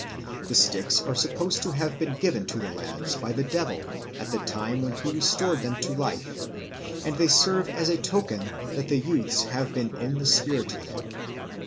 The sticks are supposed to have been given to the lads by the devil at the time when he restored them to life, and they serve as a token that the youths have been in the spirit land.